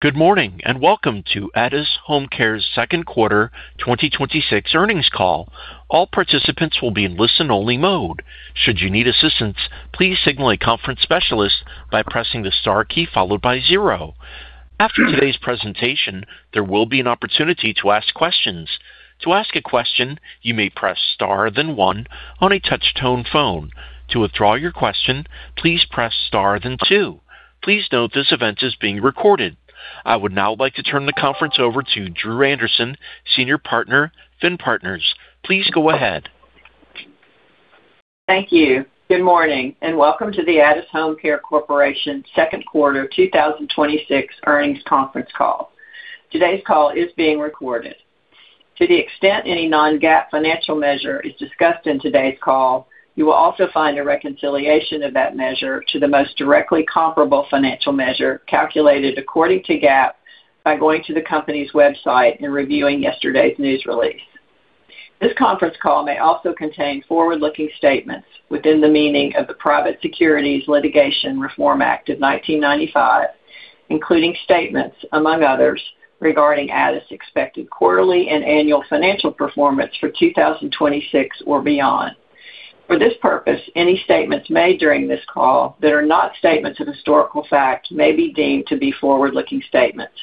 Good morning, welcome to Addus HomeCare's second quarter 2026 earnings call. All participants will be in listen-only mode. Should you need assistance, please signal a conference specialist by pressing the star key followed by zero. After today's presentation, there will be an opportunity to ask questions. To ask a question, you may press star then one on a touch-tone phone. To withdraw your question, please press star then two. Please note this event is being recorded. I would now like to turn the conference over to Dru Anderson, senior partner, FINN Partners. Please go ahead. Thank you. Good morning, welcome to the Addus HomeCare Corporation second quarter 2026 earnings conference call. Today's call is being recorded. To the extent any non-GAAP financial measure is discussed in today's call, you will also find a reconciliation of that measure to the most directly comparable financial measure calculated according to GAAP by going to the company's website and reviewing yesterday's news release. This conference call may also contain forward-looking statements within the meaning of the Private Securities Litigation Reform Act of 1995, including statements, among others, regarding Addus' expected quarterly and annual financial performance for 2026 or beyond. For this purpose, any statements made during this call that are not statements of historical fact may be deemed to be forward-looking statements.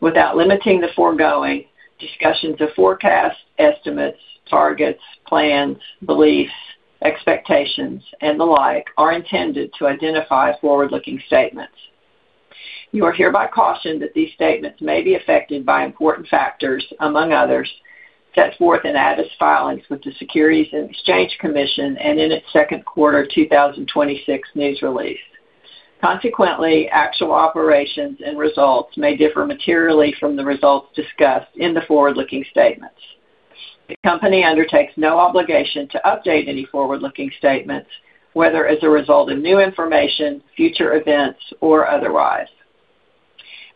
Without limiting the foregoing, discussions of forecasts, estimates, targets, plans, beliefs, expectations, and the like are intended to identify forward-looking statements. You are hereby cautioned that these statements may be affected by important factors, among others, set forth in Addus' filings with the Securities and Exchange Commission and in its second quarter 2026 news release. Consequently, actual operations and results may differ materially from the results discussed in the forward-looking statements. The company undertakes no obligation to update any forward-looking statements, whether as a result of new information, future events, or otherwise.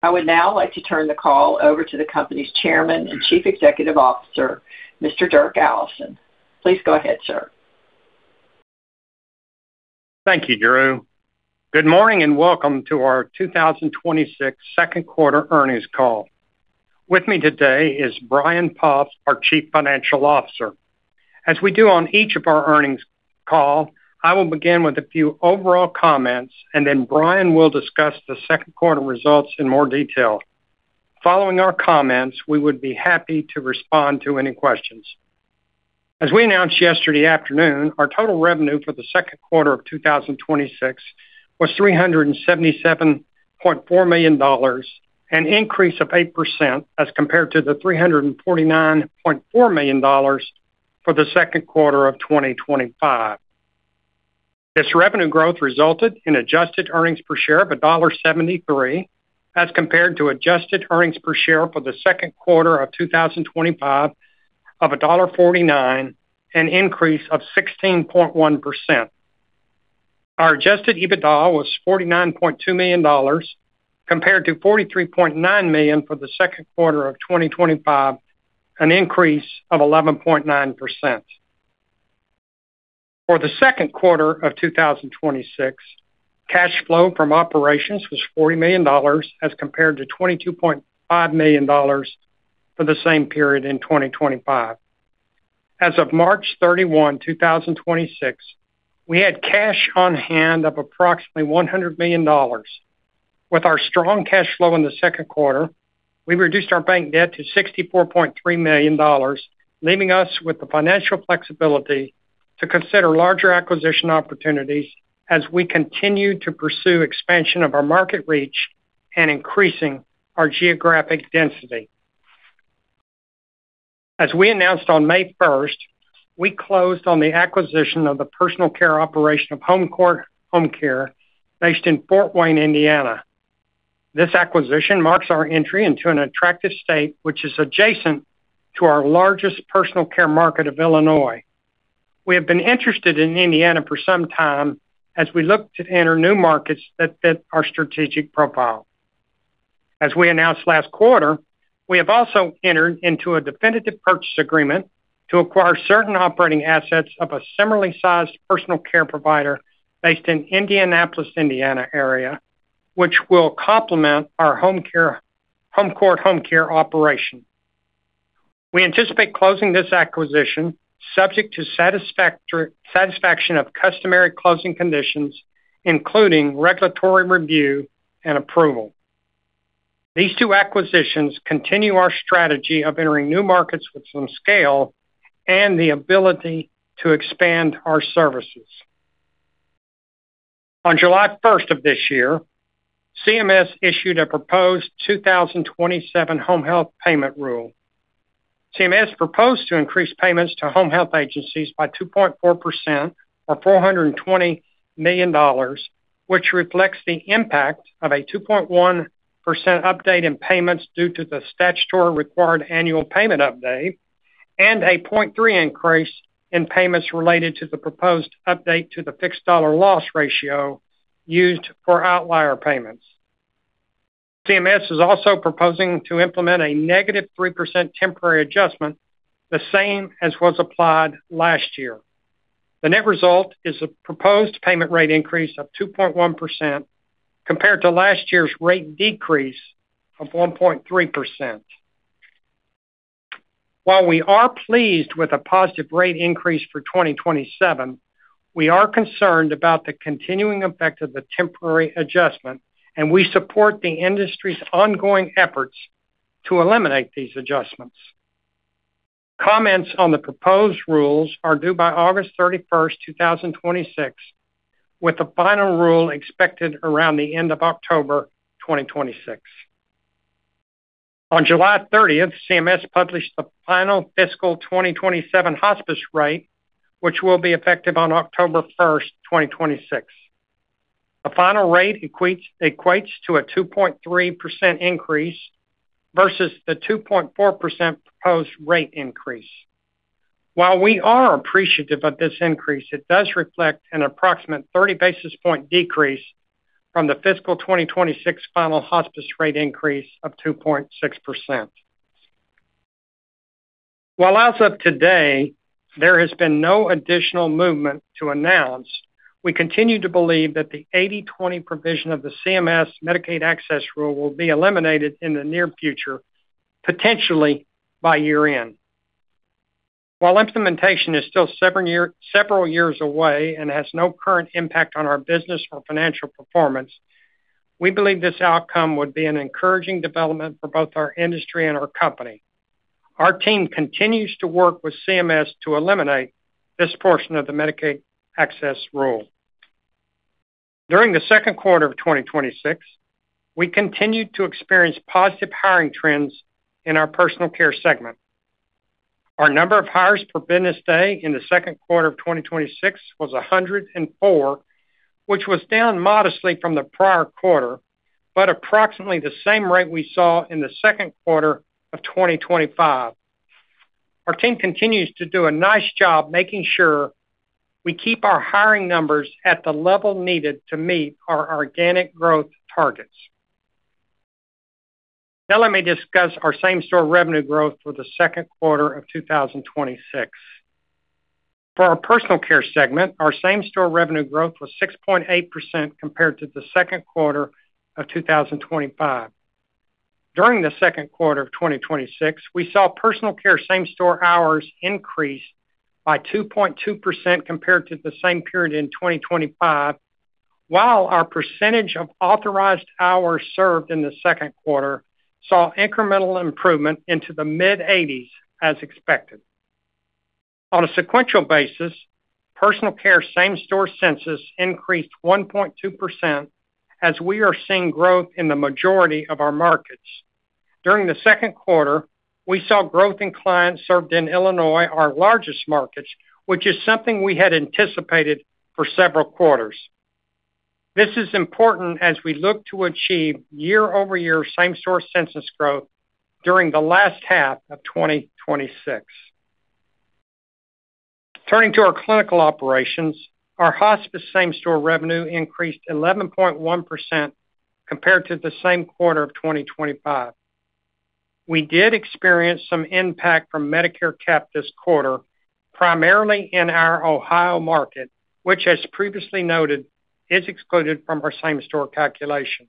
I would now like to turn the call over to the company's Chairman and Chief Executive Officer, Mr. Dirk Allison. Please go ahead, sir. Thank you, Dru. Good morning, welcome to our 2026 second quarter earnings call. With me today is Brian Poff, our Chief Financial Officer. As we do on each of our earnings call, I will begin with a few overall comments, and then Brian will discuss the second quarter results in more detail. Following our comments, we would be happy to respond to any questions. As we announced yesterday afternoon, our total revenue for the second quarter of 2026 was $377.4 million, an increase of 8% as compared to the $349.4 million for the second quarter of 2025. This revenue growth resulted in adjusted earnings per share of $1.73 as compared to adjusted earnings per share for the second quarter of 2025 of $1.49, an increase of 16.1%. Our adjusted EBITDA was $49.2 million, compared to $43.9 million for the second quarter of 2025, an increase of 11.9%. For the second quarter of 2026, cash flow from operations was $40 million as compared to $22.5 million for the same period in 2025. As of March 31, 2026, we had cash on hand of approximately $100 million. With our strong cash flow in the second quarter, we reduced our bank debt to $64.3 million, leaving us with the financial flexibility to consider larger acquisition opportunities as we continue to pursue expansion of our market reach and increasing our geographic density. As we announced on May 1st, we closed on the acquisition of the personal care operation of HomeCourt Home Care based in Fort Wayne, Indiana. This acquisition marks our entry into an attractive state which is adjacent to our largest personal care market of Illinois. We have been interested in Indiana for some time as we look to enter new markets that fit our strategic profile. As we announced last quarter, we have also entered into a definitive purchase agreement to acquire certain operating assets of a similarly sized personal care provider based in Indianapolis, Indiana area, which will complement our HomeCourt Home Care operation. We anticipate closing this acquisition subject to satisfaction of customary closing conditions, including regulatory review and approval. These two acquisitions continue our strategy of entering new markets with some scale and the ability to expand our services. On July 1st of this year, CMS issued a proposed 2027 Home Health Payment Rule. CMS proposed to increase payments to home health agencies by 2.4%, or $420 million, which reflects the impact of a 2.1% update in payments due to the statutory required annual payment update and a 0.3% increase in payments related to the proposed update to the fixed dollar loss ratio used for outlier payments. CMS is also proposing to implement a negative 3% temporary adjustment, the same as was applied last year. The net result is a proposed payment rate increase of 2.1%, compared to last year's rate decrease of 1.3%. While we are pleased with the positive rate increase for 2027, we are concerned about the continuing effect of the temporary adjustment, and we support the industry's ongoing efforts to eliminate these adjustments. Comments on the proposed rules are due by August 31st, 2026, with the final rule expected around the end of October 2026. On July 30th, CMS published the final fiscal 2027 hospice rate, which will be effective on October 1st, 2026. The final rate equates to a 2.3% increase versus the 2.4% proposed rate increase. While we are appreciative of this increase, it does reflect an approximate 30-basis-point decrease from the fiscal 2026 final hospice rate increase of 2.6%. While as of today, there has been no additional movement to announce, we continue to believe that the 80/20 provision of the CMS Medicaid Access Rule will be eliminated in the near future, potentially by year-end. While implementation is still several years away and has no current impact on our business or financial performance, we believe this outcome would be an encouraging development for both our industry and our company. Our team continues to work with CMS to eliminate this portion of the Medicaid Access Rule. During the second quarter of 2026, we continued to experience positive hiring trends in our personal care segment. Our number of hires per business day in the second quarter of 2026 was 104, which was down modestly from the prior quarter, but approximately the same rate we saw in the second quarter of 2025. Our team continues to do a nice job making sure we keep our hiring numbers at the level needed to meet our organic growth targets. Let me discuss our same-store revenue growth for the second quarter of 2026. For our personal care segment, our same-store revenue growth was 6.8% compared to the second quarter of 2025. During the second quarter of 2026, we saw personal care same-store hours increase by 2.2% compared to the same period in 2025. While our percentage of authorized hours served in the second quarter saw incremental improvement into the mid-80s as expected. On a sequential basis, personal care same-store census increased 1.2% as we are seeing growth in the majority of our markets. During the second quarter, we saw growth in clients served in Illinois, our largest market, which is something we had anticipated for several quarters. This is important as we look to achieve year-over-year same-store census growth during the last half of 2026. Turning to our clinical operations, our hospice same-store revenue increased 11.1% compared to the same quarter of 2025. We did experience some impact from Medicare cap this quarter, primarily in our Ohio market, which as previously noted, is excluded from our same-store calculation.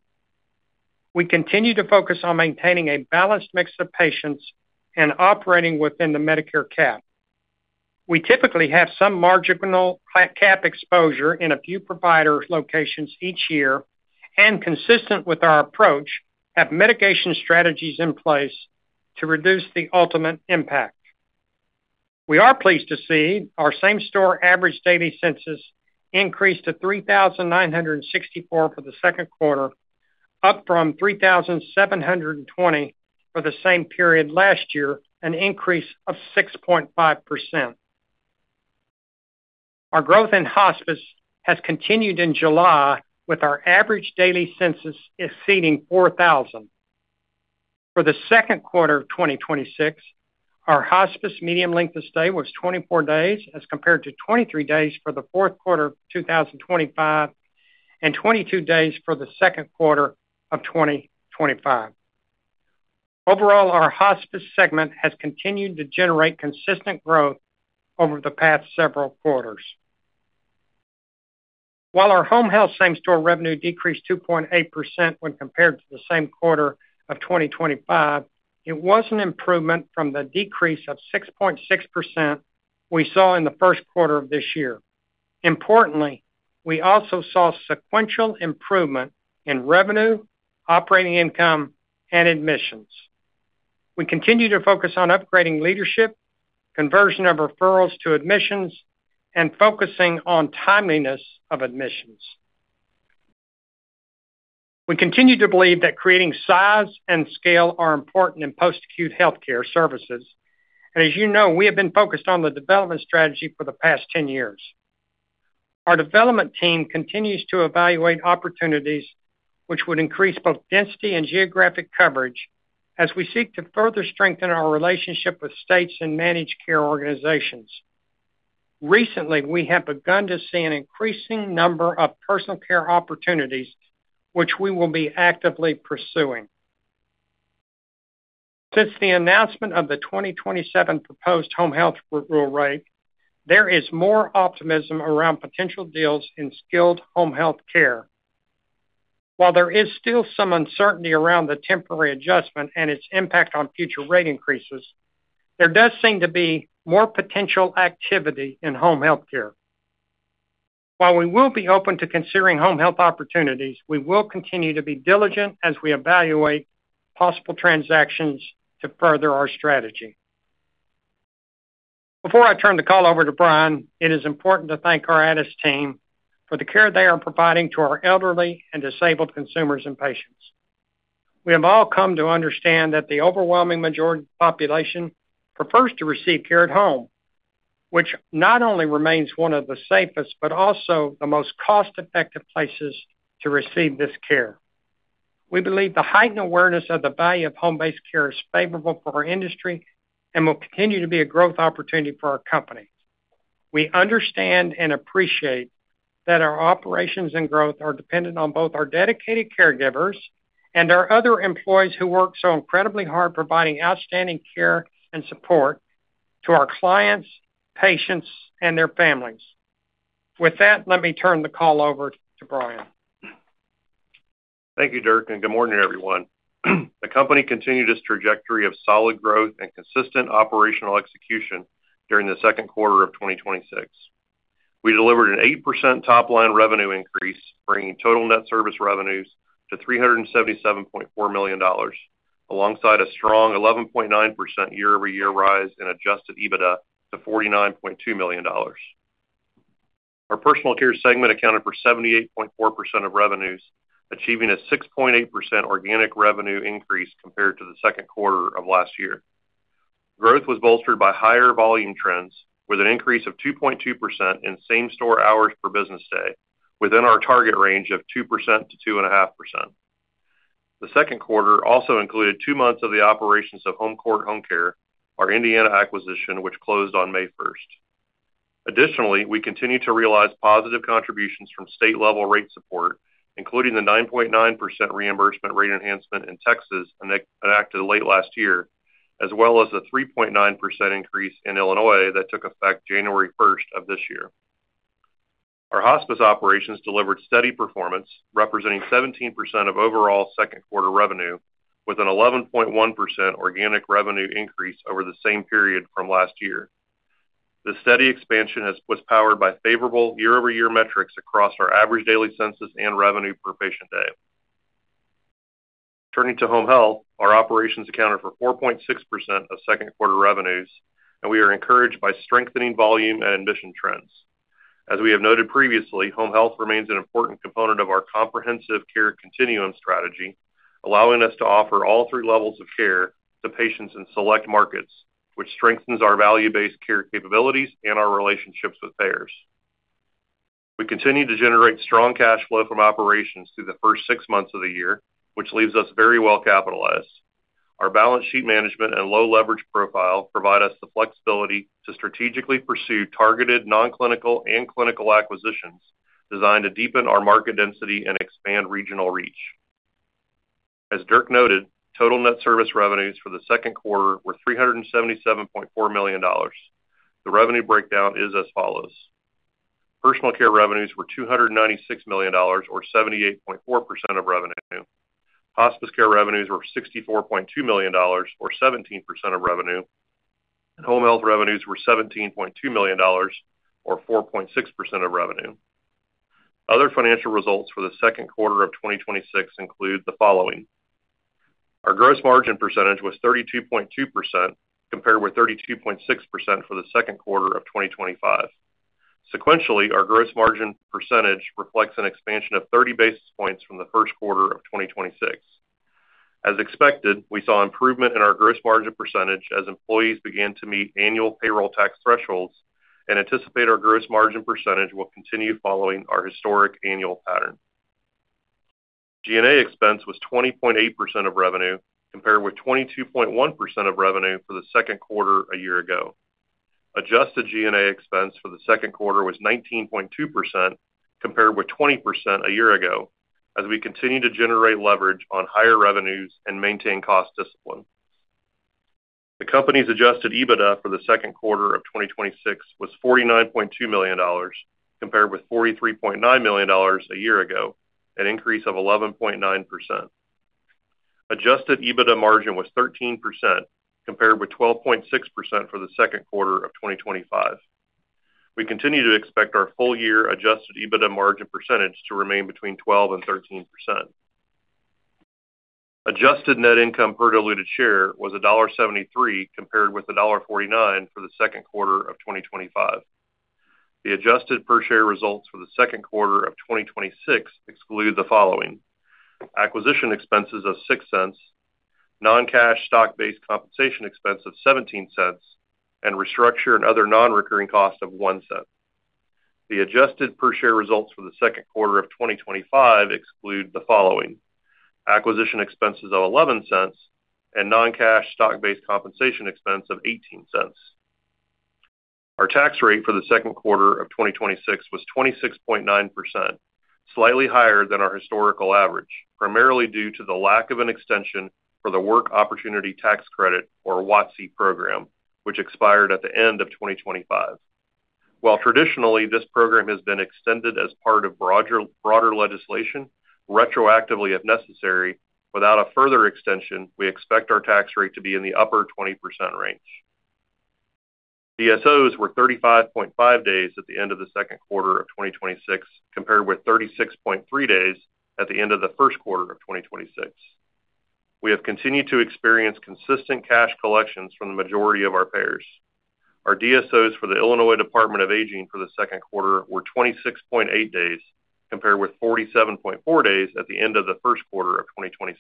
We continue to focus on maintaining a balanced mix of patients and operating within the Medicare cap. We typically have some marginal cap exposure in a few provider locations each year, and consistent with our approach, have mitigation strategies in place to reduce the ultimate impact. We are pleased to see our same-store average daily census increase to 3,964 for the second quarter, up from 3,720 for the same period last year, an increase of 6.5%. Our growth in hospice has continued in July, with our average daily census exceeding 4,000. For the second quarter of 2026, our hospice median length of stay was 24 days, as compared to 23 days for the fourth quarter of 2025 and 22 days for the second quarter of 2025. Overall, our hospice segment has continued to generate consistent growth over the past several quarters. While our home health same-store revenue decreased 2.8% when compared to the same quarter of 2025, it was an improvement from the decrease of 6.6% we saw in the first quarter of this year. Importantly, we also saw sequential improvement in revenue, operating income, and admissions. We continue to focus on upgrading leadership, conversion of referrals to admissions, and focusing on timeliness of admissions. We continue to believe that creating size and scale are important in post-acute healthcare services. As you know, we have been focused on the development strategy for the past 10 years. Our development team continues to evaluate opportunities which would increase both density and geographic coverage as we seek to further strengthen our relationship with states and managed care organizations. Recently, we have begun to see an increasing number of personal care opportunities, which we will be actively pursuing. Since the announcement of the 2027 proposed home health rule rate, there is more optimism around potential deals in skilled home health care. While there is still some uncertainty around the temporary adjustment and its impact on future rate increases, there does seem to be more potential activity in home health care. While we will be open to considering home health opportunities, we will continue to be diligent as we evaluate possible transactions to further our strategy. Before I turn the call over to Brian, it is important to thank our Addus team for the care they are providing to our elderly and disabled consumers and patients. We have all come to understand that the overwhelming majority population prefers to receive care at home, which not only remains one of the safest, but also the most cost-effective places to receive this care. We believe the heightened awareness of the value of home-based care is favorable for our industry and will continue to be a growth opportunity for our company. We understand and appreciate that our operations and growth are dependent on both our dedicated caregivers and our other employees who work so incredibly hard providing outstanding care and support to our clients, patients, and their families. With that, let me turn the call over to Brian. Thank you, Dirk, and good morning, everyone. The company continued its trajectory of solid growth and consistent operational execution during the second quarter of 2026. We delivered an 8% top-line revenue increase, bringing total net service revenues to $377.4 million, alongside a strong 11.9% year-over-year rise in adjusted EBITDA to $49.2 million. Our personal care segment accounted for 78.4% of revenues, achieving a 6.8% organic revenue increase compared to the second quarter of last year. Growth was bolstered by higher volume trends with an increase of 2.2% in same store hours per business day within our target range of 2%-2.5%. The second quarter also included two months of the operations of HomeCourt Home Care, our Indiana acquisition, which closed on May 1st. We continue to realize positive contributions from state-level rate support, including the 9.9% reimbursement rate enhancement in Texas enacted late last year, as well as a 3.9% increase in Illinois that took effect January 1st of this year. Our hospice operations delivered steady performance, representing 17% of overall second quarter revenue with an 11.1% organic revenue increase over the same period from last year. The steady expansion was powered by favorable year-over-year metrics across our average daily census and revenue per patient day. Turning to home health, our operations accounted for 4.6% of second quarter revenues, we are encouraged by strengthening volume and admission trends. As we have noted previously, home health remains an important component of our comprehensive care continuum strategy, allowing us to offer all three levels of care to patients in select markets, which strengthens our value-based care capabilities and our relationships with payers. We continue to generate strong cash flow from operations through the first six months of the year, which leaves us very well capitalized. Our balance sheet management and low leverage profile provide us the flexibility to strategically pursue targeted non-clinical and clinical acquisitions designed to deepen our market density and expand regional reach. As Dirk noted, total net service revenues for the second quarter were $377.4 million. The revenue breakdown is as follows: Personal care revenues were $296 million, or 78.4% of revenue. Hospice care revenues were $64.2 million, or 17% of revenue. Home health revenues were $17.2 million, or 4.6% of revenue. Other financial results for the second quarter of 2026 include the following: Our gross margin percentage was 32.2%, compared with 32.6% for the second quarter of 2025. Sequentially, our gross margin percentage reflects an expansion of 30 basis points from the first quarter of 2026. As expected, we saw improvement in our gross margin percentage as employees began to meet annual payroll tax thresholds and anticipate our gross margin percentage will continue following our historic annual pattern. G&A expense was 20.8% of revenue, compared with 22.1% of revenue for the second quarter a year ago. Adjusted G&A expense for the second quarter was 19.2%, compared with 20% a year ago, as we continue to generate leverage on higher revenues and maintain cost discipline. The company's adjusted EBITDA for the second quarter of 2026 was $49.2 million, compared with $43.9 million a year ago, an increase of 11.9%. Adjusted EBITDA margin was 13%, compared with 12.6% for the second quarter of 2025. We continue to expect our full year adjusted EBITDA margin percentage to remain between 12% and 13%. Adjusted net income per diluted share was $1.73, compared with $1.49 for the second quarter of 2025. The adjusted per share results for the second quarter of 2026 exclude the following: acquisition expenses of $0.06, non-cash stock-based compensation expense of $0.17, restructure and other non-recurring costs of $0.01. The adjusted per share results for the second quarter of 2025 exclude the following: acquisition expenses of $0.11, non-cash stock-based compensation expense of $0.18. Our tax rate for the second quarter of 2026 was 26.9%, slightly higher than our historical average, primarily due to the lack of an extension for the Work Opportunity Tax Credit, or WOTC program, which expired at the end of 2025. While traditionally, this program has been extended as part of broader legislation, retroactively if necessary, without a further extension, we expect our tax rate to be in the upper 20% range. DSOs were 35.5 days at the end of the second quarter of 2026, compared with 36.3 days at the end of the first quarter of 2026. We have continued to experience consistent cash collections from the majority of our payers. Our DSOs for the Illinois Department on Aging for the second quarter were 26.8 days, compared with 47.4 days at the end of the first quarter of 2026,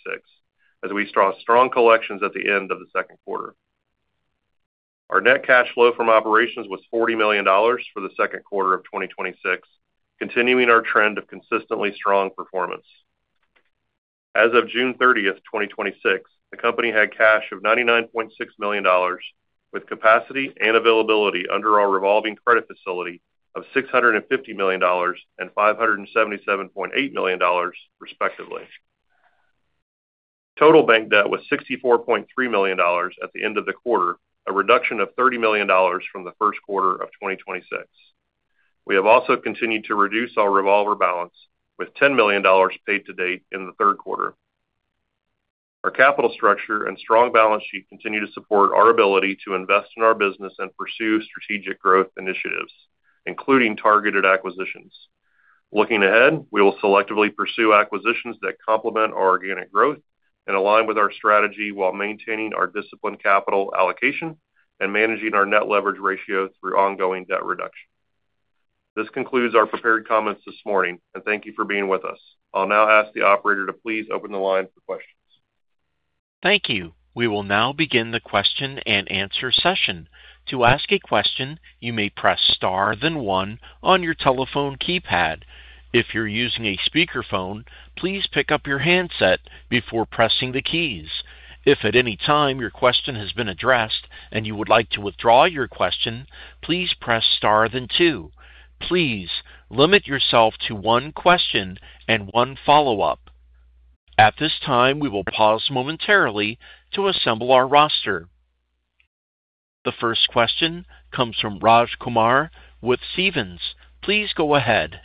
as we saw strong collections at the end of the second quarter. Our net cash flow from operations was $40 million for the second quarter of 2026, continuing our trend of consistently strong performance. As of June 30th, 2026, the company had cash of $99.6 million, with capacity and availability under our revolving credit facility of $650 million and $577.8 million, respectively. Total bank debt was $64.3 million at the end of the quarter, a reduction of $30 million from the first quarter of 2026. We have also continued to reduce our revolver balance with $10 million paid to date in the third quarter. Our capital structure and strong balance sheet continue to support our ability to invest in our business and pursue strategic growth initiatives, including targeted acquisitions. Looking ahead, we will selectively pursue acquisitions that complement our organic growth and align with our strategy while maintaining our disciplined capital allocation and managing our net leverage ratio through ongoing debt reduction. This concludes our prepared comments this morning, and thank you for being with us. I'll now ask the operator to please open the line for questions. Thank you. We will now begin the question and answer session. To ask a question, you may press star then one on your telephone keypad. If you're using a speakerphone, please pick up your handset before pressing the keys. If at any time your question has been addressed and you would like to withdraw your question, please press star then two. Please limit yourself to one question and one follow-up. At this time, we will pause momentarily to assemble our roster. The first question comes from Raj Kumar with Stephens. Please go ahead.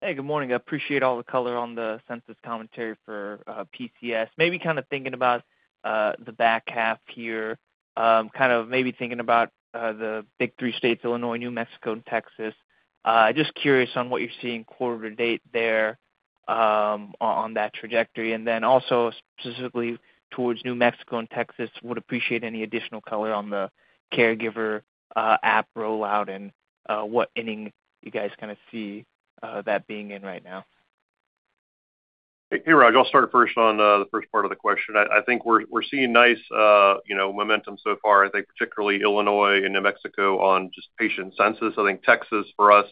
Hey, good morning. I appreciate all the color on the census commentary for PCS. Maybe kind of thinking about the back half here, maybe thinking about the big three states, Illinois, New Mexico, and Texas. Just curious on what you're seeing quarter to date there on that trajectory, and then also specifically towards New Mexico and Texas, would appreciate any additional color on the caregiver app rollout and what inning you guys see that being in right now. Hey, Raj. I'll start first on the first part of the question. I think we're seeing nice momentum so far, I think particularly Illinois and New Mexico on just patient census. I think Texas for us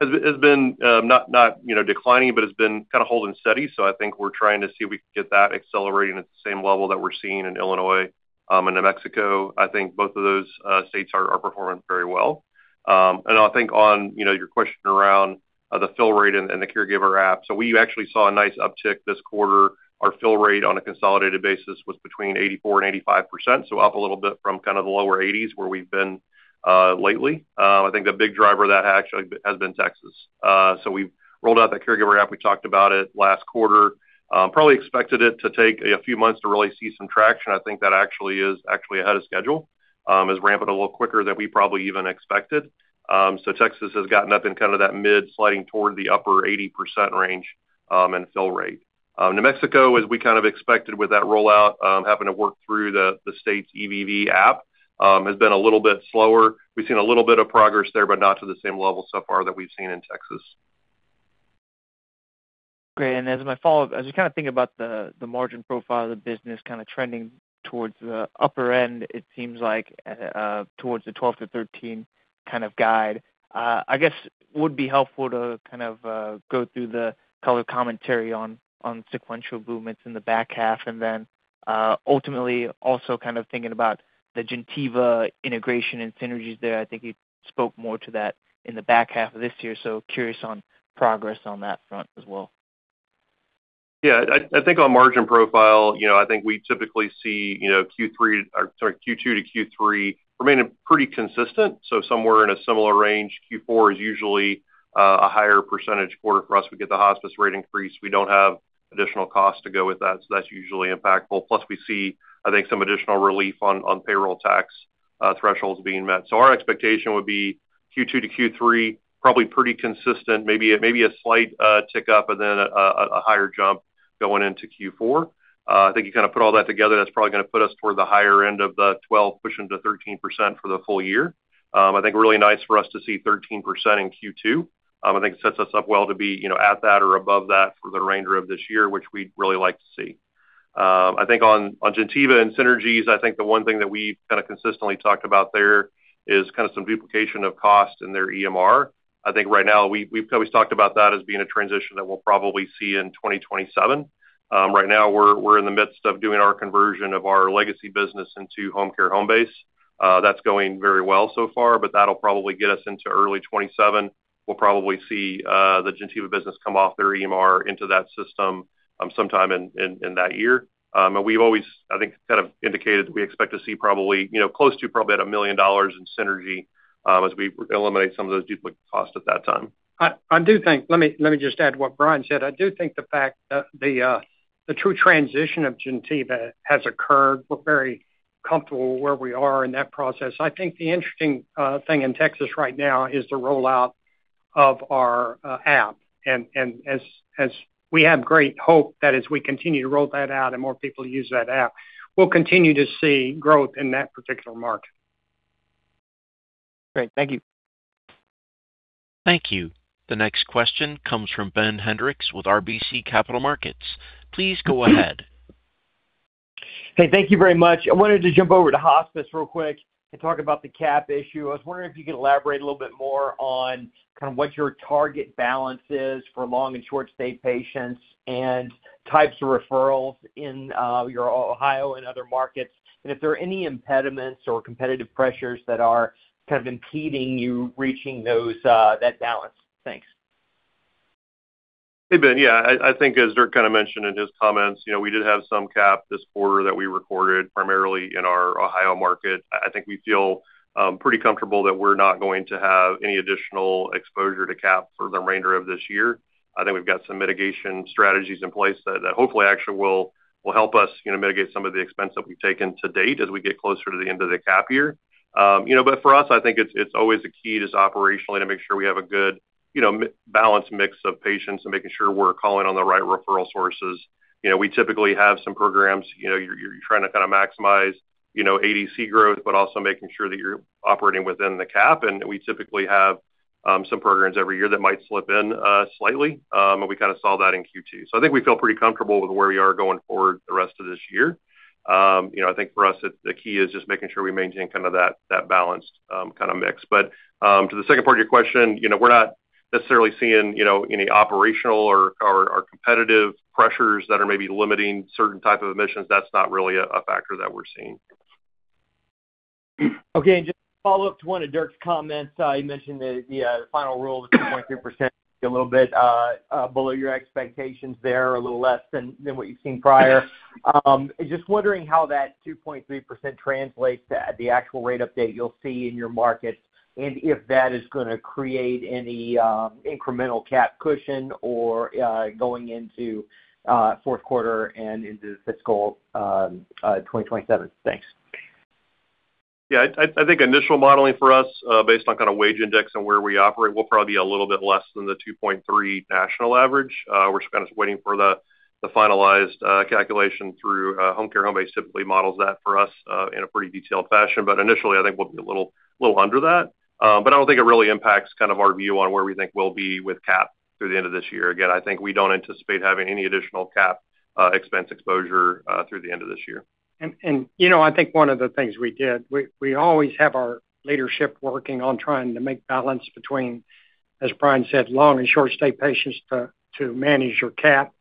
has been not declining, but has been kind of holding steady. I think we're trying to see if we can get that accelerating at the same level that we're seeing in Illinois and New Mexico. I think both of those states are performing very well. I think on your question around the fill rate and the caregiver app, we actually saw a nice uptick this quarter. Our fill rate on a consolidated basis was between 84% and 85%, so up a little bit from kind of the lower eighties where we've been lately. I think the big driver of that actually has been Texas. We've rolled out that caregiver app. We talked about it last quarter. Probably expected it to take a few months to really see some traction. I think that actually is actually ahead of schedule. It is ramping a little quicker than we probably even expected. Texas has gotten up in that mid sliding toward the upper 80% range in fill rate. New Mexico, as we kind of expected with that rollout, having to work through the state's EVV app, has been a little bit slower. We've seen a little bit of progress there, but not to the same level so far that we've seen in Texas. Great. As my follow-up, I was just thinking about the margin profile of the business trending towards the upper end, it seems like, towards the 12%-13% kind of guide. I guess it would be helpful to go through the color commentary on sequential movements in the back half, and then ultimately also thinking about the Gentiva integration and synergies there. I think you spoke more to that in the back half of this year, I am curious on progress on that front as well. Yeah. I think on margin profile, I think we typically see Q2 to Q3 remaining pretty consistent, somewhere in a similar range. Q4 is usually a higher percentage quarter for us. We get the hospice rate increase. We don't have additional costs to go with that, so that's usually impactful. We see, I think, some additional relief on payroll tax thresholds being met. Our expectation would be Q2 to Q3, probably pretty consistent, maybe a slight tick up and then a higher jump going into Q4. I think you put all that together, that's probably going to put us toward the higher end of the 12%-13% for the full year. I think really nice for us to see 13% in Q2. I think it sets us up well to be at that or above that for the remainder of this year, which we'd really like to see. I think on Gentiva and synergies, I think the one thing that we've kind of consistently talked about there is some duplication of cost in their EMR. I think right now we've always talked about that as being a transition that we'll probably see in 2027. Right now, we're in the midst of doing our conversion of our legacy business into Homecare Homebase. That's going very well so far, but that'll probably get us into early 2027. We'll probably see the Gentiva business come off their EMR into that system sometime in that year. We've always, I think, indicated that we expect to see probably close to probably at $1 million in synergy as we eliminate some of those duplicate costs at that time. Let me just add to what Brian said. I do think the fact that the true transition of Gentiva has occurred, we're very comfortable where we are in that process. I think the interesting thing in Texas right now is the rollout of our app. We have great hope that as we continue to roll that out and more people use that app, we'll continue to see growth in that particular market. Great. Thank you. Thank you. The next question comes from Ben Hendrix with RBC Capital Markets. Please go ahead. Hey, thank you very much. I wanted to jump over to hospice real quick and talk about the cap issue. I was wondering if you could elaborate a little bit more on kind of what your target balance is for long and short stay patients and types of referrals in your Ohio and other markets, and if there are any impediments or competitive pressures that are kind of impeding you reaching that balance. Thanks. Hey, Ben. Yeah, I think as Dirk kind of mentioned in his comments, we did have some cap this quarter that we recorded primarily in our Ohio market. I think we feel pretty comfortable that we're not going to have any additional exposure to cap for the remainder of this year. I think we've got some mitigation strategies in place that hopefully actually will help us mitigate some of the expense that we've taken to date as we get closer to the end of the cap year. For us, I think it's always a key just operationally to make sure we have a good balanced mix of patients and making sure we're calling on the right referral sources. We typically have some programs. You're trying to maximize ADC growth, also making sure that you're operating within the cap. We typically have some programs every year that might slip in slightly. We kind of saw that in Q2. I think we feel pretty comfortable with where we are going forward the rest of this year. I think for us, the key is just making sure we maintain that balanced kind of mix. To the second part of your question, we're not necessarily seeing any operational or competitive pressures that are maybe limiting certain type of admissions. That's not really a factor that we're seeing. Okay. Just to follow up to one of Dirk's comments, you mentioned the final rule, the 2.3%, a little bit below your expectations there, a little less than what you've seen prior. Just wondering how that 2.3% translates to the actual rate update you'll see in your markets and if that is going to create any incremental cap cushion or going into fourth quarter and into fiscal 2027. Thanks. Yeah, I think initial modeling for us, based on wage index and where we operate, will probably be a little bit less than the 2.3 national average. We're just kind of waiting for the finalized calculation through Homecare Homebase typically models that for us in a pretty detailed fashion, initially I think we'll be a little under that. I don't think it really impacts our view on where we think we'll be with cap through the end of this year. I think we don't anticipate having any additional cap expense exposure through the end of this year. I think one of the things we did, we always have our leadership working on trying to make balance between, as Brian said, long and short stay patients to manage your cap.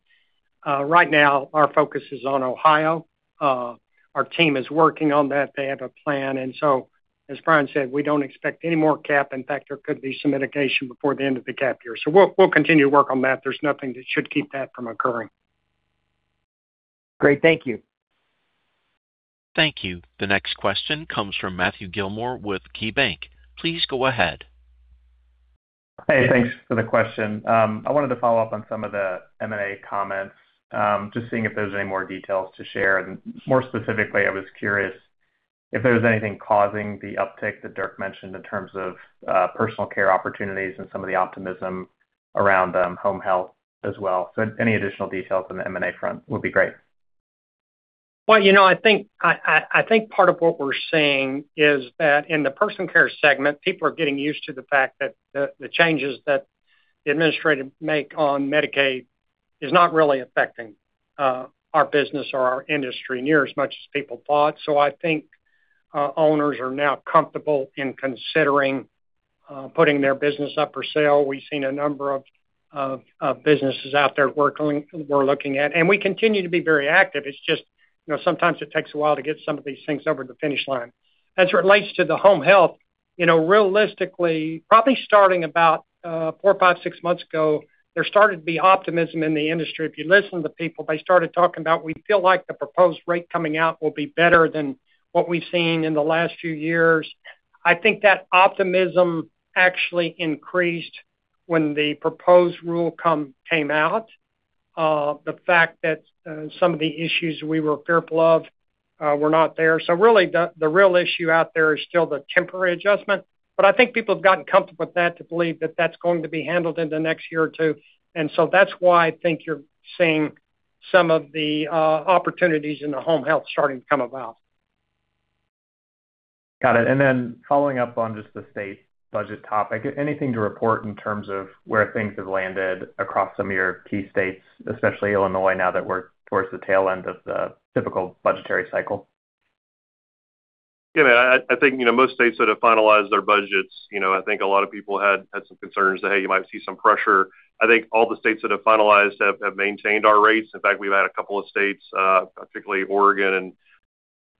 Right now, our focus is on Ohio. Our team is working on that. They have a plan. As Brian said, we don't expect any more cap. In fact, there could be some mitigation before the end of the cap year. We'll continue to work on that. There's nothing that should keep that from occurring. Great. Thank you. Thank you. The next question comes from Matthew Gillmor with KeyBanc. Please go ahead. Hey, thanks for the question. I wanted to follow up on some of the M&A comments. Just seeing if there's any more details to share. More specifically, I was curious if there was anything causing the uptick that Dirk mentioned in terms of personal care opportunities and some of the optimism around home health as well. Any additional details on the M&A front would be great. Well, I think part of what we're seeing is that in the personal care segment, people are getting used to the fact that the changes that the administrator make on Medicaid is not really affecting our business or our industry near as much as people thought. I think owners are now comfortable in considering putting their business up for sale. We've seen a number of businesses out there we're looking at, and we continue to be very active. It's just sometimes it takes a while to get some of these things over the finish line. As it relates to the home health, realistically probably starting about four, five, six months ago, there started to be optimism in the industry. If you listen to people, they started talking about, we feel like the proposed rate coming out will be better than what we've seen in the last few years. I think that optimism actually increased when the proposed rule came out. The fact that some of the issues we were fearful of were not there. Really the real issue out there is still the temporary adjustment. I think people have gotten comfortable with that to believe that that's going to be handled in the next year or two. That's why I think you're seeing some of the opportunities in the home health starting to come about. Got it. Following up on just the state budget topic, anything to report in terms of where things have landed across some of your key states, especially Illinois, now that we're towards the tail end of the typical budgetary cycle? I think most states that have finalized their budgets, I think a lot of people had some concerns that, hey, you might see some pressure. I think all the states that have finalized have maintained our rates. In fact, we've had a couple of states, particularly Oregon and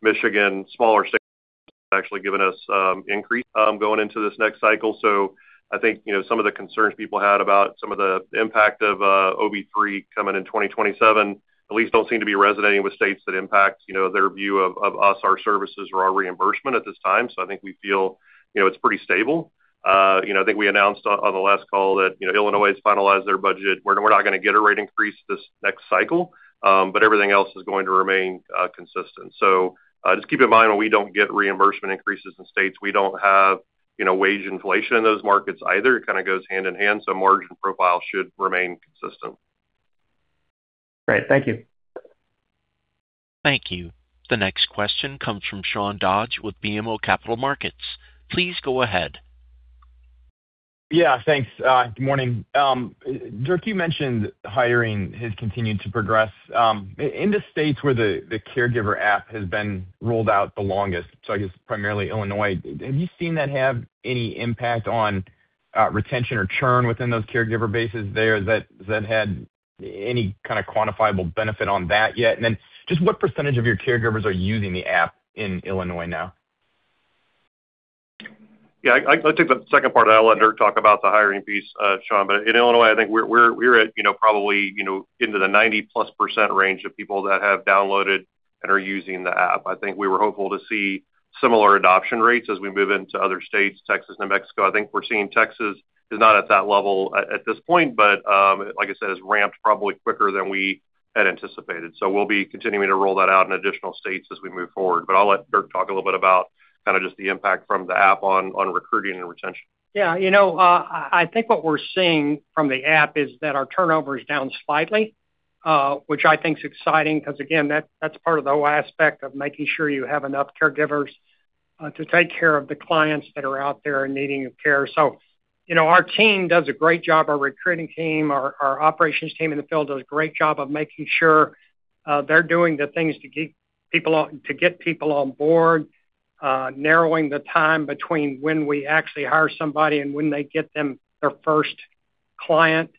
Michigan, smaller states Actually given us increase going into this next cycle. I think some of the concerns people had about some of the impact of OB3 coming in 2027 at least don't seem to be resonating with states that impact their view of us, our services or our reimbursement at this time. I think we feel it's pretty stable. I think we announced on the last call that Illinois has finalized their budget. We're not going to get a rate increase this next cycle, but everything else is going to remain consistent. Just keep in mind, when we don't get reimbursement increases in states, we don't have wage inflation in those markets either. It kind of goes hand in hand. Margin profile should remain consistent. Great. Thank you. Thank you. The next question comes from Sean Dodge with BMO Capital Markets. Please go ahead. Yeah, thanks. Good morning. Dirk, you mentioned hiring has continued to progress. In the states where the Caregiver app has been rolled out the longest, so I guess primarily Illinois, have you seen that have any impact on retention or churn within those caregiver bases there that had any kind of quantifiable benefit on that yet? What percentage of your caregivers are using the app in Illinois now? Yeah, I'll take the second part. I'll let Dirk talk about the hiring piece, Sean. In Illinois, I think we're at probably into the 90%+ range of people that have downloaded and are using the app. I think we were hopeful to see similar adoption rates as we move into other states, Texas, New Mexico. I think we're seeing Texas is not at that level at this point, but like I said, has ramped probably quicker than we had anticipated. We'll be continuing to roll that out in additional states as we move forward. I'll let Dirk talk a little bit about kind of just the impact from the app on recruiting and retention. Yeah. I think what we're seeing from the app is that our turnover is down slightly, which I think is exciting, because again, that's part of the whole aspect of making sure you have enough caregivers to take care of the clients that are out there in needing of care. Our team does a great job. Our recruiting team, our operations team in the field does a great job of making sure they're doing the things to get people on board, narrowing the time between when we actually hire somebody and when they get them their first client.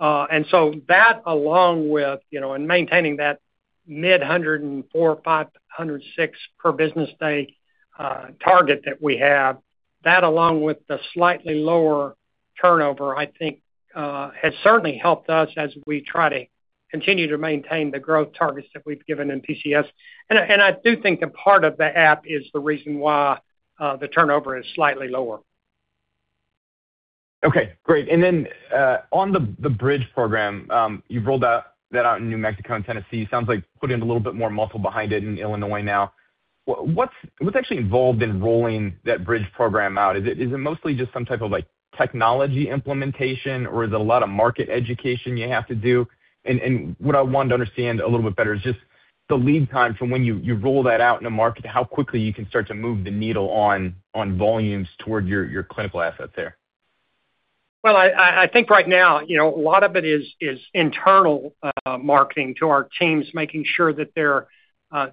That along with and maintaining that mid 104, 105, 106 per business day target that we have, that along with the slightly lower turnover, I think has certainly helped us as we try to continue to maintain the growth targets that we've given in PCS. I do think a part of the app is the reason why the turnover is slightly lower. Okay, great. On the Bridge Program, you've rolled that out in New Mexico and Tennessee. Sounds like putting a little bit more muscle behind it in Illinois now. What's actually involved in rolling that Bridge Program out? Is it mostly just some type of technology implementation or is it a lot of market education you have to do? What I wanted to understand a little bit better is just the lead time from when you roll that out in a market to how quickly you can start to move the needle on volumes toward your clinical asset there. Well, I think right now a lot of it is internal marketing to our teams, making sure that they're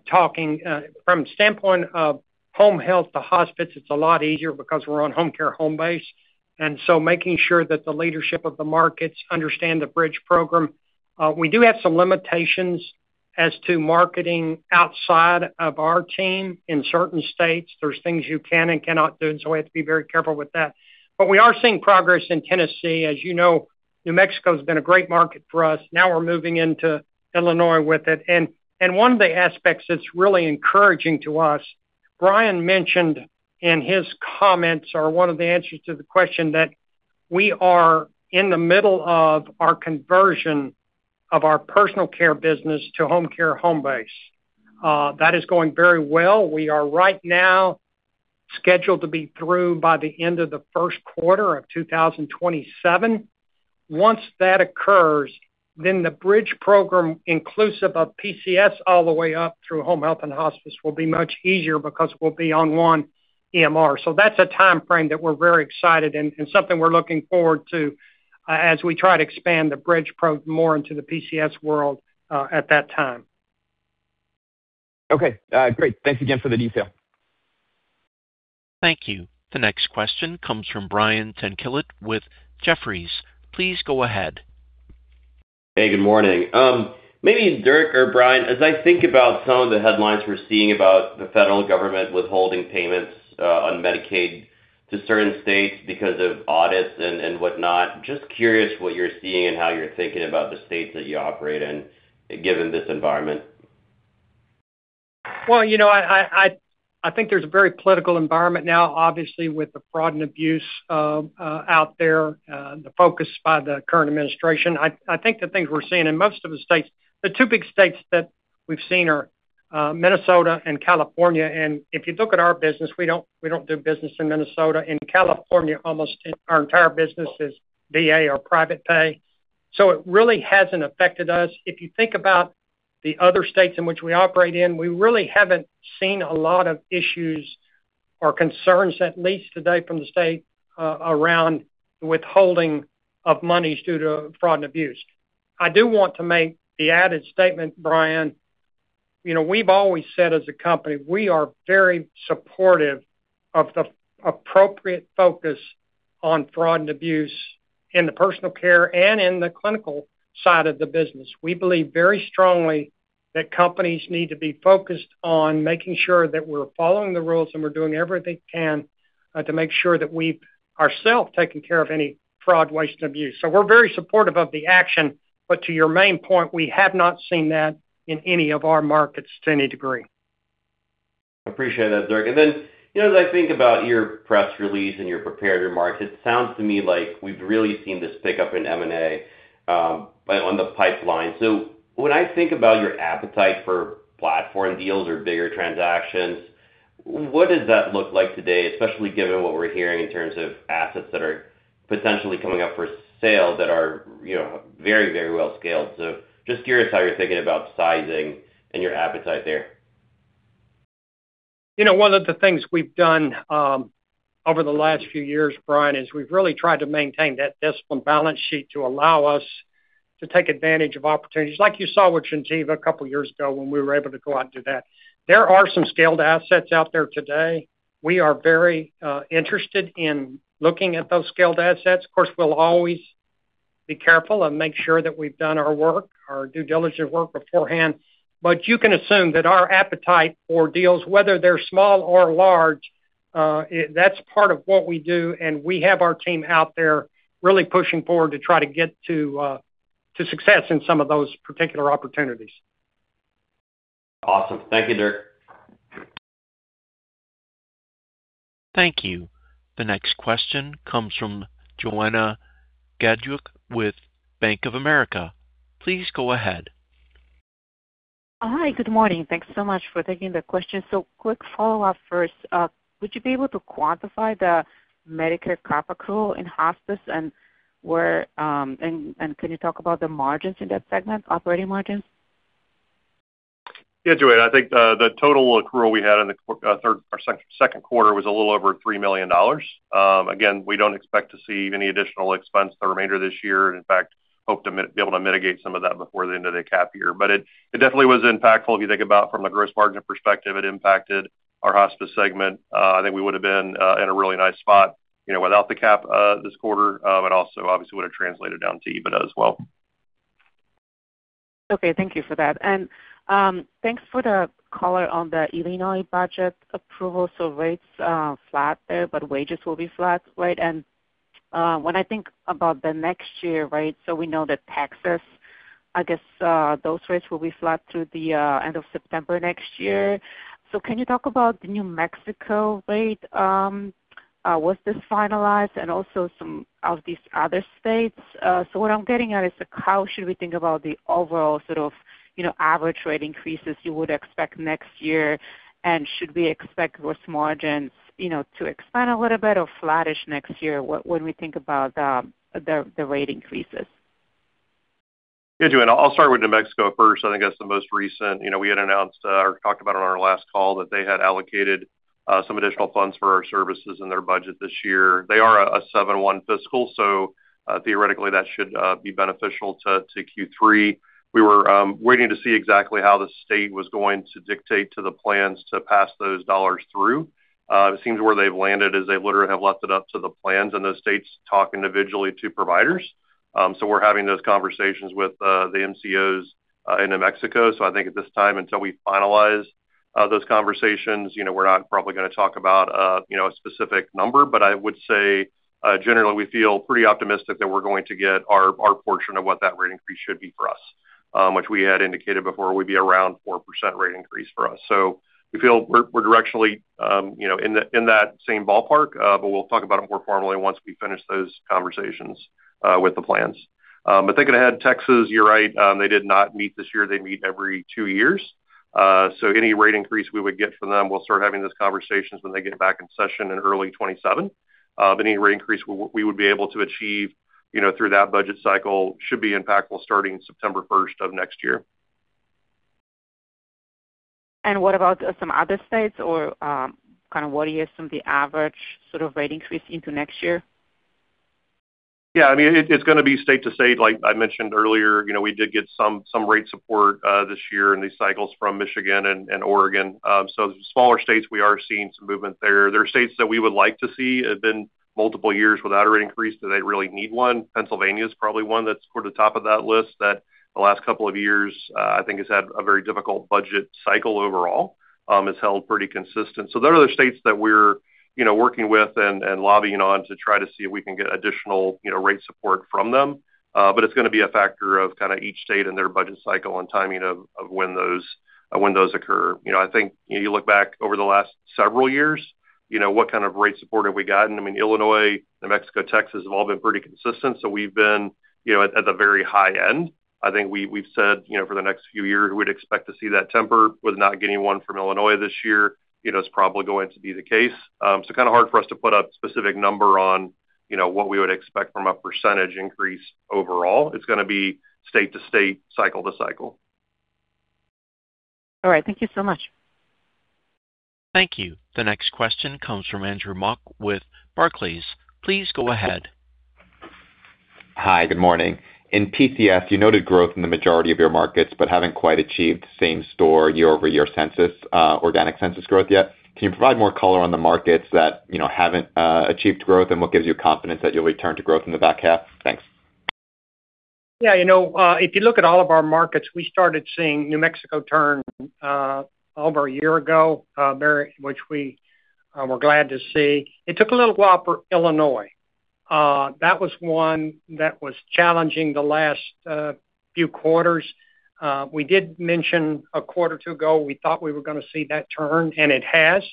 talking. From standpoint of home health to hospice, it's a lot easier because we're on Homecare Homebase. Making sure that the leadership of the markets understand the Bridge Program. We do have some limitations as to marketing outside of our team in certain states. There's things you can and cannot do, we have to be very careful with that. We are seeing progress in Tennessee. As you know, New Mexico has been a great market for us. Now we're moving into Illinois with it. One of the aspects that's really encouraging to us, Brian mentioned in his comments or one of the answers to the question that we are in the middle of our conversion of our personal care business to Homecare Homebase. That is going very well. We are right now scheduled to be through by the end of the first quarter of 2027. Once that occurs, the Bridge Program, inclusive of PCS all the way up through home health and hospice, will be much easier because we'll be on one EMR. That's a timeframe that we're very excited and something we're looking forward to as we try to expand the Bridge more into the PCS world at that time. Okay, great. Thanks again for the detail. Thank you. The next question comes from Brian Tanquilut with Jefferies. Please go ahead. Hey, good morning. Maybe Dirk or Brian, as I think about some of the headlines we're seeing about the federal government withholding payments on Medicaid to certain states because of audits and whatnot, just curious what you're seeing and how you're thinking about the states that you operate in given this environment. Well, I think there's a very political environment now, obviously with the fraud and abuse out there, the focus by the current administration. I think the things we're seeing in most of the states, the two big states that we've seen are Minnesota and California. If you look at our business, we don't do business in Minnesota. In California, almost our entire business is VA or private pay. It really hasn't affected us. If you think about the other states in which we operate in, we really haven't seen a lot of issues or concerns, at least today from the state, around withholding of monies due to fraud and abuse. I do want to make the added statement, Brian, we've always said as a company, we are very supportive of the appropriate focus on fraud and abuse in the personal care and in the clinical side of the business. We believe very strongly that companies need to be focused on making sure that we're following the rules and we're doing everything we can to make sure that we ourselves are taking care of any fraud, waste, and abuse. We're very supportive of the action, to your main point, we have not seen that in any of our markets to any degree. Appreciate that, Dirk. As I think about your press release and your prepared remarks, it sounds to me like we've really seen this pickup in M&A on the pipeline. When I think about your appetite for platform deals or bigger transactions, what does that look like today, especially given what we're hearing in terms of assets that are potentially coming up for sale that are very well scaled? Just curious how you're thinking about sizing and your appetite there. One of the things we've done over the last few years, Brian, is we've really tried to maintain that disciplined balance sheet to allow us to take advantage of opportunities like you saw with Gentiva a couple of years ago when we were able to go out and do that. There are some scaled assets out there today. We are very interested in looking at those scaled assets. Of course, we'll always be careful and make sure that we've done our work, our due diligent work beforehand. You can assume that our appetite for deals, whether they're small or large, that's part of what we do, and we have our team out there really pushing forward to try to get to success in some of those particular opportunities. Awesome. Thank you, Dirk. Thank you. The next question comes from Joanna Gajuk with Bank of America. Please go ahead. Hi, good morning. Thanks so much for taking the question. Quick follow-up first. Would you be able to quantify the Medicare cap accrual in hospice and can you talk about the margins in that segment, operating margins? Yeah, Joanna, I think the total accrual we had in the second quarter was a little over $3 million. Again, we don't expect to see any additional expense the remainder of this year. In fact, hope to be able to mitigate some of that before the end of the cap year. It definitely was impactful. If you think about from a gross margin perspective, it impacted our hospice segment. I think we would have been in a really nice spot without the cap this quarter. It also obviously would have translated down to EBITDA as well. Okay, thank you for that. Thanks for the color on the Illinois budget approval. Rates flat there, but wages will be flat, right? When I think about the next year, we know that Texas, I guess, those rates will be flat through the end of September next year. Can you talk about the New Mexico rate? Was this finalized and also some of these other states? What I'm getting at is how should we think about the overall sort of average rate increases you would expect next year? Should we expect gross margins to expand a little bit or flattish next year when we think about the rate increases? Yeah, Joanna, I'll start with New Mexico first. I think that's the most recent. We had announced or talked about on our last call that they had allocated some additional funds for our services in their budget this year. They are a 7/1 fiscal, theoretically, that should be beneficial to Q3. We were waiting to see exactly how the state was going to dictate to the plans to pass those dollars through. It seems where they've landed is they literally have left it up to the plans and the states to talk individually to providers. We're having those conversations with the MCOs in New Mexico. I think at this time, until we finalize those conversations, we're not probably going to talk about a specific number. I would say, generally, we feel pretty optimistic that we're going to get our portion of what that rate increase should be for us, which we had indicated before would be around 4% rate increase for us. We feel we're directionally in that same ballpark, but we'll talk about it more formally once we finish those conversations with the plans. Thinking ahead, Texas, you're right, they did not meet this year. They meet every two years. Any rate increase we would get from them, we'll start having those conversations when they get back in session in early 2027. Any rate increase we would be able to achieve through that budget cycle should be impactful starting September 1st of next year. What about some other states or kind of what are some of the average sort of rate increase into next year? It's going to be state to state. Like I mentioned earlier, we did get some rate support this year in these cycles from Michigan and Oregon. Smaller states, we are seeing some movement there. There are states that we would like to see. It's been multiple years without a rate increase that they really need one. Pennsylvania is probably one that's toward the top of that list that the last couple of years I think has had a very difficult budget cycle overall. It's held pretty consistent. There are other states that we're working with and lobbying on to try to see if we can get additional rate support from them. It's going to be a factor of kind of each state and their budget cycle and timing of when those occur. I think you look back over the last several years, what kind of rate support have we gotten? I mean, Illinois, New Mexico, Texas have all been pretty consistent. We've been at the very high end. I think we've said for the next few years, we'd expect to see that temper with not getting one from Illinois this year. It's probably going to be the case. Kind of hard for us to put a specific number on what we would expect from a percentage increase overall. It's going to be state to state, cycle to cycle. All right. Thank you so much. Thank you. The next question comes from Andrew Mok with Barclays. Please go ahead. Hi, good morning. In PCS, you noted growth in the majority of your markets but haven't quite achieved same store year-over-year census, organic census growth yet. Can you provide more color on the markets that haven't achieved growth and what gives you confidence that you'll return to growth in the back half? Thanks. If you look at all of our markets, we started seeing New Mexico turn over a year ago, which we were glad to see. It took a little while for Illinois. That was one that was challenging the last few quarters. We did mention a quarter or two ago, we thought we were going to see that turn, and it has.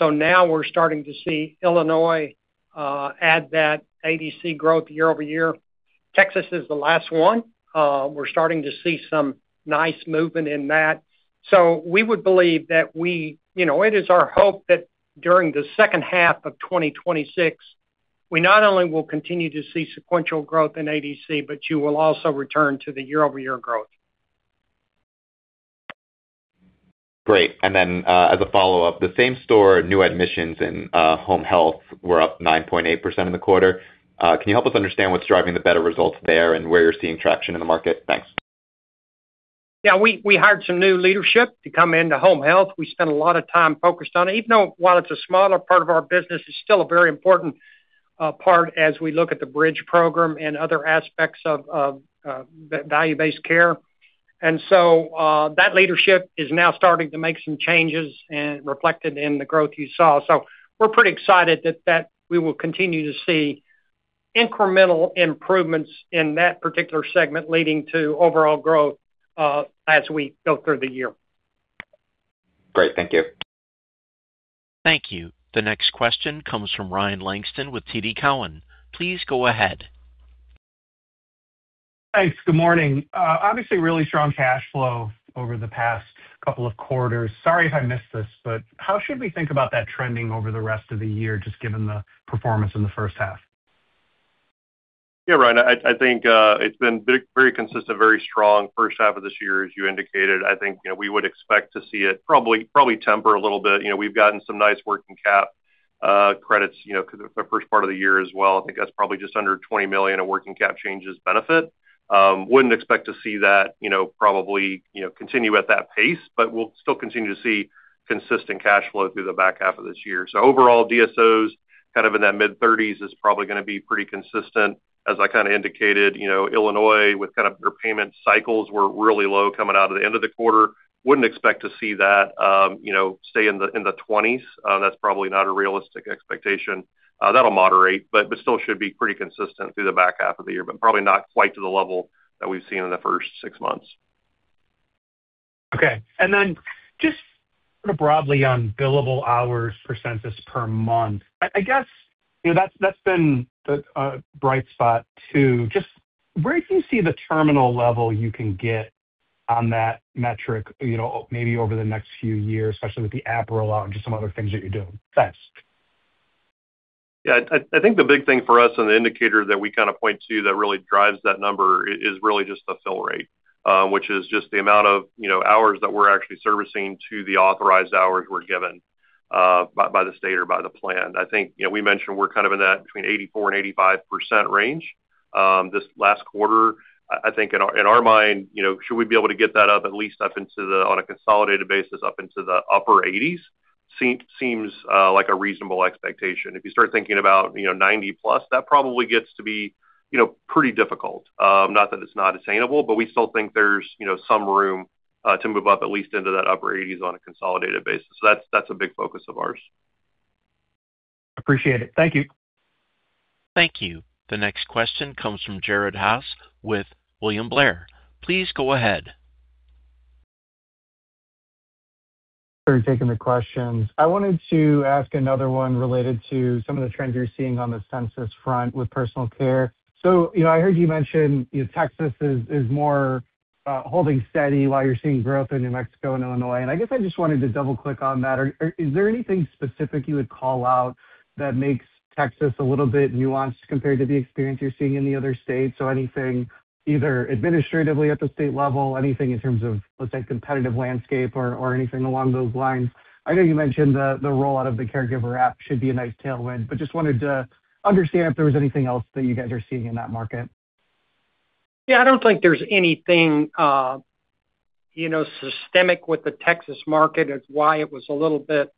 Now we're starting to see Illinois add that ADC growth year-over-year. Texas is the last one. We're starting to see some nice movement in that. It is our hope that during the second half of 2026, we not only will continue to see sequential growth in ADC, but you will also return to the year-over-year growth. Great. As a follow-up, the same store new admissions in home health were up 9.8% in the quarter. Can you help us understand what's driving the better results there and where you're seeing traction in the market? Thanks. Yeah, we hired some new leadership to come into home health. We spent a lot of time focused on it. Even though while it's a smaller part of our business, it's still a very important part as we look at the Bridge Program and other aspects of value-based care. That leadership is now starting to make some changes and reflected in the growth you saw. We're pretty excited that we will continue to see incremental improvements in that particular segment leading to overall growth, as we go through the year. Great. Thank you. Thank you. The next question comes from Ryan Langston with TD Cowen. Please go ahead. Thanks. Good morning. Obviously really strong cash flow over the past couple of quarters. Sorry if I missed this, how should we think about that trending over the rest of the year, just given the performance in the first half? Yeah, Ryan, I think it's been very consistent, very strong first half of this year, as you indicated. I think we would expect to see it probably temper a little bit. We've gotten some nice working cap credits the first part of the year as well. I think that's probably just under $20 million of working cap changes benefit. Wouldn't expect to see that probably continue at that pace, we'll still continue to see consistent cash flow through the back half of this year. Overall, DSOs kind of in that mid-30s is probably going to be pretty consistent. As I indicated, Illinois with kind of their payment cycles were really low coming out of the end of the quarter. Wouldn't expect to see that stay in the 20s. That's probably not a realistic expectation. That'll moderate, still should be pretty consistent through the back half of the year, but probably not quite to the level that we've seen in the first six months. Okay. Then just sort of broadly on billable hours per census per month. I guess that's been a bright spot, too. Just where do you see the terminal level you can get on that metric maybe over the next few years, especially with the app rollout and just some other things that you're doing? Thanks. Yeah. I think the big thing for us and the indicator that we point to that really drives that number, is really just the fill rate, which is just the amount of hours that we're actually servicing to the authorized hours we're given, by the state or by the plan. I think we mentioned we're kind of in that between 84% and 85% range. This last quarter, I think in our mind, should we be able to get that up at least up into the, on a consolidated basis, up into the upper 80s seems like a reasonable expectation. If you start thinking about 90%+, that probably gets to be pretty difficult. Not that it's not attainable, but we still think there's some room to move up at least into that upper 80s on a consolidated basis. That's a big focus of ours. Appreciate it. Thank you. Thank you. The next question comes from Jared Haase with William Blair. Please go ahead. Are you taking the questions? I wanted to ask another one related to some of the trends you're seeing on the census front with personal care. I heard you mention Texas is more holding steady while you're seeing growth in New Mexico and Illinois, and I guess I just wanted to double-click on that. Is there anything specific you would call out that makes Texas a little bit nuanced compared to the experience you're seeing in the other states? Anything either administratively at the state level, anything in terms of, let's say, competitive landscape or anything along those lines? I know you mentioned the rollout of the caregiver app should be a nice tailwind, but just wanted to understand if there was anything else that you guys are seeing in that market. Yeah, I don't think there's anything systemic with the Texas market. That's why it was a little bit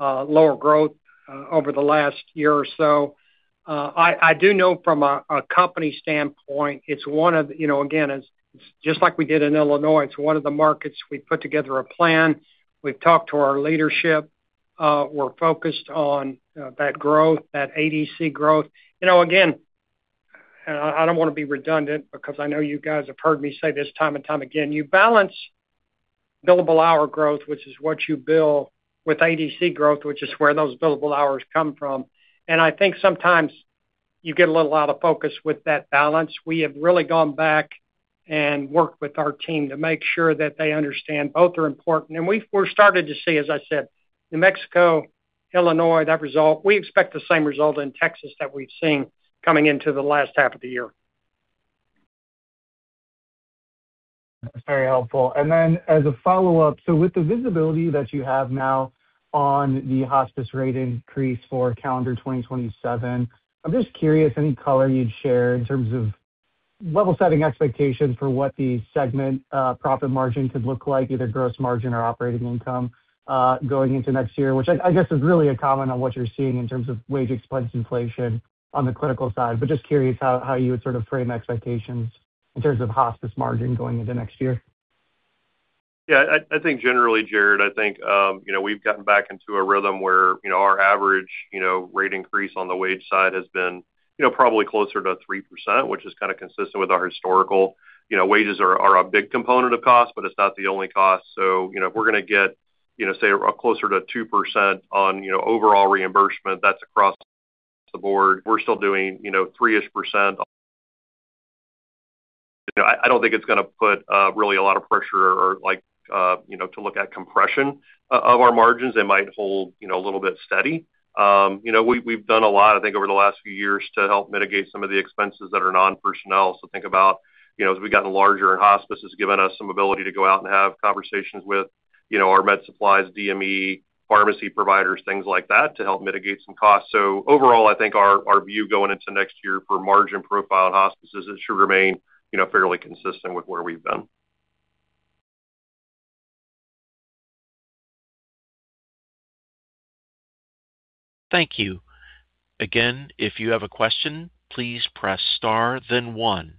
lower growth over the last year or so. I do know from a company standpoint, again, just like we did in Illinois, it's one of the markets we put together a plan. We've talked to our leadership. We're focused on that growth, that ADC growth. Again, I don't want to be redundant because I know you guys have heard me say this time and time again. You balance billable hour growth, which is what you bill, with ADC growth, which is where those billable hours come from. I think sometimes you get a little out of focus with that balance. We have really gone back and worked with our team to make sure that they understand both are important. We're starting to see, as I said, New Mexico, Illinois, that result. We expect the same result in Texas that we've seen coming into the last half of the year. That's very helpful. As a follow-up, with the visibility that you have now on the hospice rate increase for calendar 2027, I'm just curious, any color you'd share in terms of level setting expectations for what the segment profit margin could look like, either gross margin or operating income, going into next year, which I guess is really a comment on what you're seeing in terms of wage expense inflation on the clinical side. Just curious how you would sort of frame expectations in terms of hospice margin going into next year. I think generally, Jared, I think we've gotten back into a rhythm where our average rate increase on the wage side has been probably closer to 3%, which is kind of consistent with our historical. Wages are a big component of cost, but it's not the only cost. If we're going to get, say, closer to 2% on overall reimbursement, that's across the board. We're still doing 3%-ish. I don't think it's going to put really a lot of pressure or to look at compression of our margins. It might hold a little bit steady. We've done a lot, I think, over the last few years to help mitigate some of the expenses that are non-personnel. Think about as we've gotten larger and hospice has given us some ability to go out and have conversations with our med supplies, DME, pharmacy providers, things like that, to help mitigate some costs. Overall, I think our view going into next year for margin profile and hospices is it should remain fairly consistent with where we've been. Thank you. Again, if you have a question, please press star then one.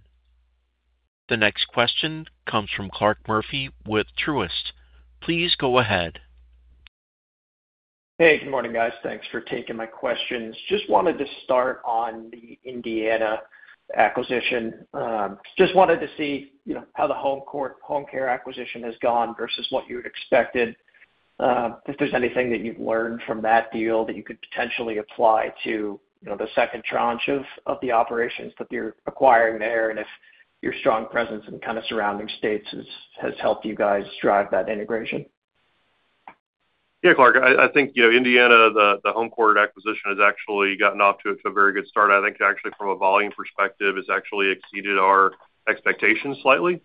The next question comes from Clarke Murphy with Truist. Please go ahead. Hey, good morning, guys. Thanks for taking my questions. Just wanted to start on the Indiana acquisition. Just wanted to see how the HomeCourt Home Care acquisition has gone versus what you had expected. If there's anything that you've learned from that deal that you could potentially apply to the second tranche of the operations that you're acquiring there, and if your strong presence in kind of surrounding states has helped you guys drive that integration. Yeah, Clarke. I think Indiana, the HomeCourt acquisition, has actually gotten off to a very good start. I think actually from a volume perspective, it's actually exceeded our expectations slightly.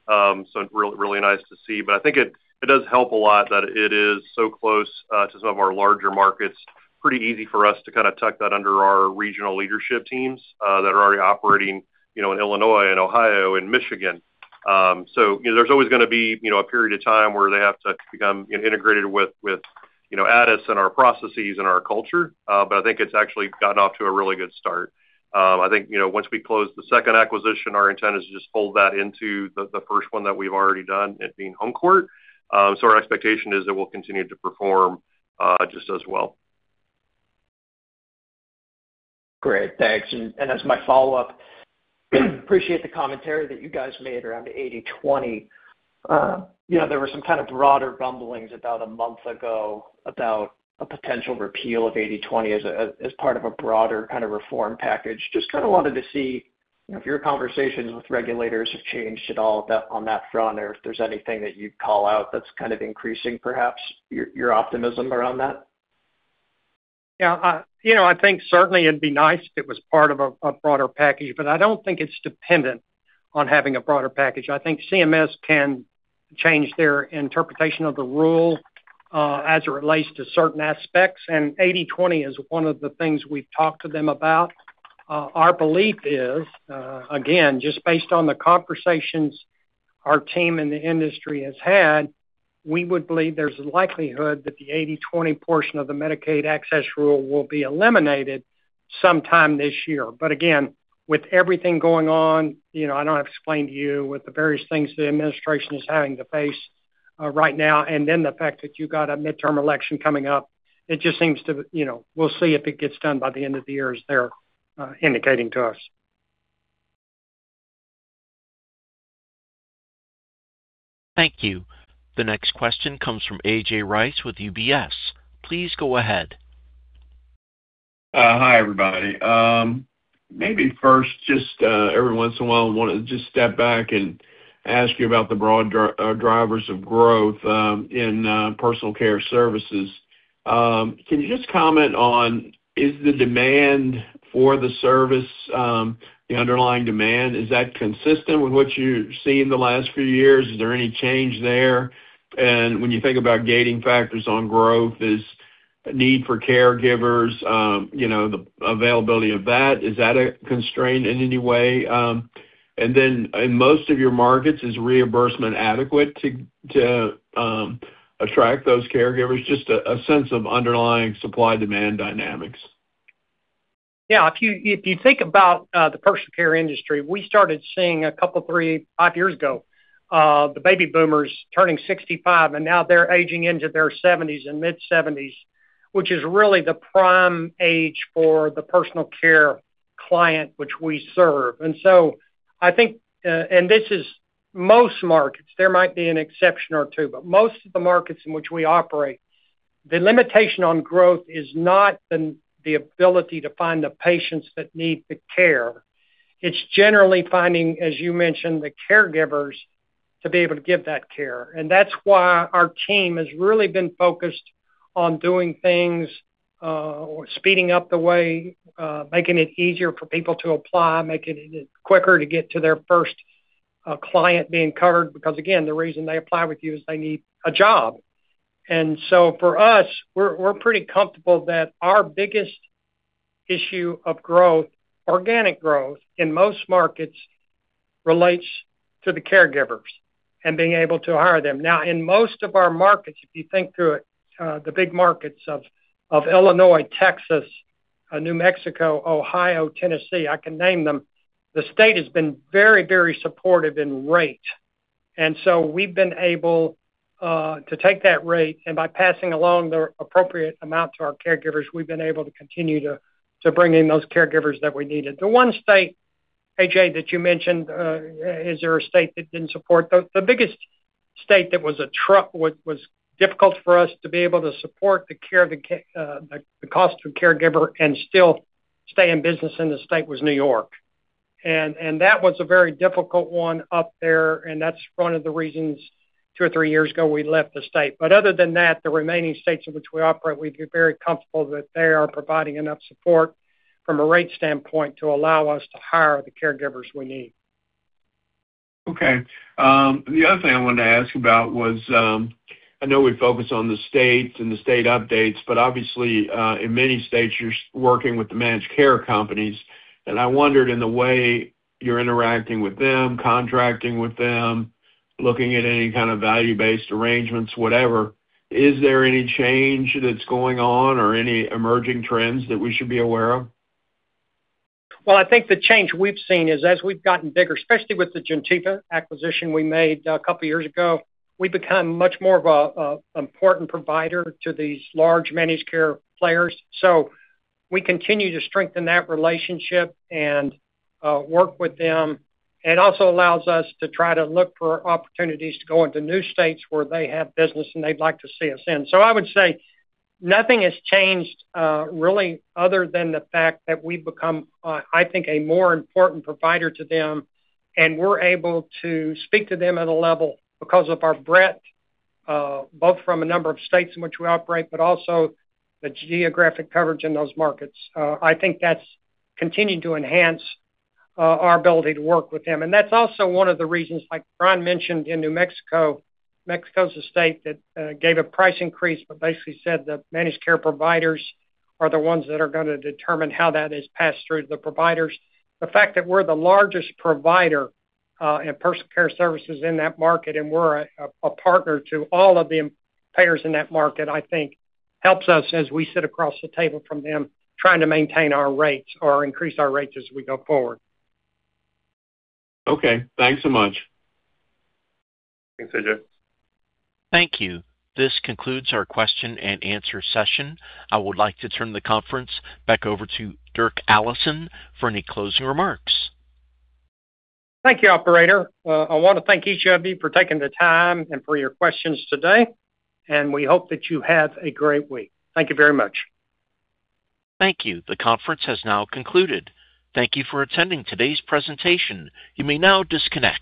Really nice to see. I think it does help a lot that it is so close to some of our larger markets. Pretty easy for us to kind of tuck that under our regional leadership teams that are already operating in Illinois and Ohio and Michigan. There's always going to be a period of time where they have to become integrated with Addus and our processes and our culture. I think it's actually gotten off to a really good start. I think once we close the second acquisition, our intent is to just fold that into the first one that we've already done at being HomeCourt. Our expectation is that we'll continue to perform just as well. Great, thanks. As my follow-up, appreciate the commentary that you guys made around the 80/20. There were some kind of broader rumblings about a month ago about a potential repeal of 80/20 as part of a broader kind of reform package. Just kind of wanted to see if your conversations with regulators have changed at all on that front or if there's anything that you'd call out that's kind of increasing perhaps your optimism around that. Yeah. I think certainly it'd be nice if it was part of a broader package, I don't think it's dependent on having a broader package. I think CMS can change their interpretation of the rule, as it relates to certain aspects, and 80/20 is one of the things we've talked to them about. Our belief is, again, just based on the conversations our team in the industry has had, we would believe there's a likelihood that the 80/20 portion of the Medicaid access rule will be eliminated sometime this year. Again, with everything going on, I don't have to explain to you with the various things the administration is having to face right now, then the fact that you've got a midterm election coming up. We'll see if it gets done by the end of the year, as they're indicating to us. Thank you. The next question comes from A.J. Rice with UBS. Please go ahead. Hi, everybody. Maybe first, just every once in a while, I want to just step back and ask you about the broad drivers of growth in personal care services. Can you just comment on, is the demand for the service, the underlying demand, is that consistent with what you've seen the last few years? Is there any change there? When you think about gating factors on growth, is need for caregivers, the availability of that, is that a constraint in any way? Then in most of your markets, is reimbursement adequate to attract those caregivers? Just a sense of underlying supply-demand dynamics. Yeah. If you think about the personal care industry, we started seeing a couple, three, five years ago, the baby boomers turning 65, and now they're aging into their 70s and mid-70s, which is really the prime age for the personal care client, which we serve. I think, and this is most markets. There might be an exception or two, but most of the markets in which we operate, the limitation on growth is not the ability to find the patients that need the care. It's generally finding, as you mentioned, the caregivers to be able to give that care. That's why our team has really been focused on doing things or speeding up the way, making it easier for people to apply, making it quicker to get to their first client being covered, because again, the reason they apply with you is they need a job. For us, we're pretty comfortable that our biggest issue of growth, organic growth, in most markets relates to the caregivers and being able to hire them. Now, in most of our markets, if you think through it, the big markets of Illinois, Texas, New Mexico, Ohio, Tennessee, I can name them, the state has been very, very supportive in rate. We've been able to take that rate, and by passing along the appropriate amount to our caregivers, we've been able to continue to bring in those caregivers that we needed. The one state, A.J., that you mentioned, is there a state that didn't support? The biggest state that was difficult for us to be able to support the cost of caregiver and still stay in business in the state was New York. That was a very difficult one up there, and that's one of the reasons two or three years ago we left the state. Other than that, the remaining states in which we operate, we feel very comfortable that they are providing enough support from a rate standpoint to allow us to hire the caregivers we need. Okay. The other thing I wanted to ask about was, I know we focus on the states and the state updates, obviously, in many states, you're working with the managed care companies. I wondered, in the way you're interacting with them, contracting with them, looking at any kind of value-based arrangements, whatever, is there any change that's going on or any emerging trends that we should be aware of? Well, I think the change we've seen is as we've gotten bigger, especially with the Gentiva acquisition we made a couple of years ago, we've become much more of an important provider to these large managed care players. We continue to strengthen that relationship and work with them. It also allows us to try to look for opportunities to go into new states where they have business and they'd like to see us in. I would say nothing has changed, really, other than the fact that we've become, I think, a more important provider to them, and we're able to speak to them at a level because of our breadth, both from a number of states in which we operate, but also the geographic coverage in those markets. I think that's continued to enhance our ability to work with them. That's also one of the reasons, like Brian mentioned in New Mexico. New Mexico is a state that gave a price increase, but basically said the managed care providers are the ones that are going to determine how that is passed through to the providers. The fact that we're the largest provider in personal care services in that market, and we're a partner to all of the payers in that market, I think helps us as we sit across the table from them trying to maintain our rates or increase our rates as we go forward. Okay. Thanks so much. Thanks, A.J. Thank you. This concludes our question and answer session. I would like to turn the conference back over to Dirk Allison for any closing remarks. Thank you, operator. I want to thank each of you for taking the time and for your questions today, and we hope that you have a great week. Thank you very much. Thank you. The conference has now concluded. Thank you for attending today's presentation. You may now disconnect.